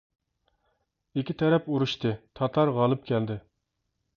ئىككى تەرەپ ئۇرۇشتى، تاتار غالىب كەلدى.